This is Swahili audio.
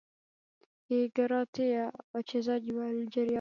ho equatorio guinea watacheza na algeria wakati ghana